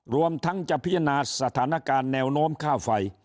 รวมทั้งจะพิจารณาสถานการณ์แนวโน้มค่าไฟ